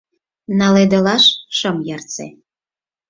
Наледылаш шым ярсе.